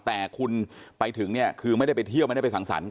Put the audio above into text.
แต่คุณไปถึงเนี่ยคือไม่ได้ไปเที่ยวไม่ได้ไปสังสรรค